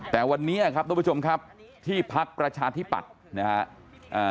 แต่วันนี้ครับทุกผู้ชมครับที่พักประชาธิปัตย์นะฮะ